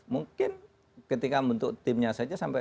mungkin ketika membentuk timnya saja sampai